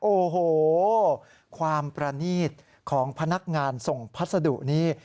โอ้โหความประนีตของพนักงานส่งพัสดุนี้